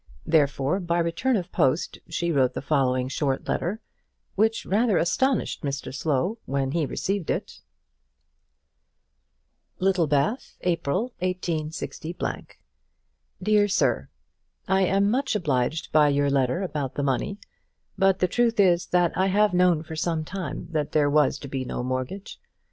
Therefore, by return of post, she wrote the following short letter, which rather astonished Mr Slow when he received it Littlebath, April, 186 . DEAR SIR, I am much obliged by your letter about the money; but the truth is that I have known for some time that there was to be no mortgage.